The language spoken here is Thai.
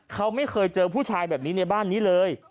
เขาไม่เคยเจอผู้ชายแบบนี้ในบ้านนี้เลย